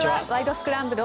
スクランブル」